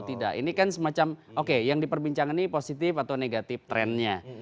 stabilitas atau tidak ini kan semacam oke yang diperbincangkan positif atau negatif trennya